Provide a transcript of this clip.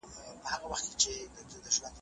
که ګلو وي نو مات نه پاتې کیږي.